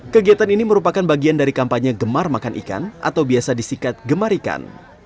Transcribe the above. kegiatan ini merupakan bagian dari kampanye gemar makan ikan atau biasa disikat gemar ikan